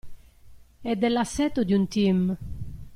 E dell'assetto di un team.